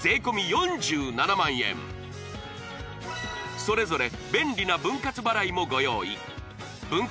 ４７万円それぞれ便利な分割払いもご用意分割